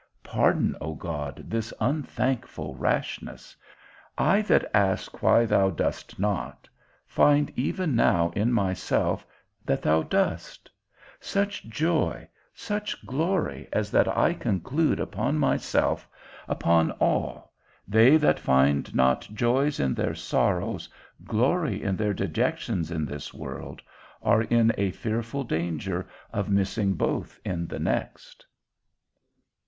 Pardon, O God, this unthankful rashness; I that ask why thou dost not, find even now in myself, that thou dost; such joy, such glory, as that I conclude upon myself, upon all, they that find not joys in their sorrows, glory in their dejections in this world, are in a fearful danger of missing both in the next.